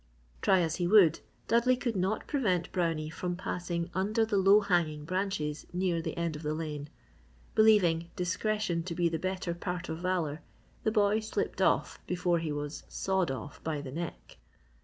Try as he would, Dudley could not prevent Brownie from passing under the low hanging branches near the end of the lane. Believing "discretion to be the better part of valour" the boy slipped off before he was "sawed" off by the neck.